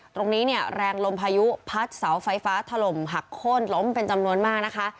ตรงนี้เนี่ยแรงลมพายุพัดเสาไฟฟ้าถล่มหักโค้นล้มเป็นจำนวนมากนะคะ